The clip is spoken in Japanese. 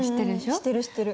知ってる知ってる。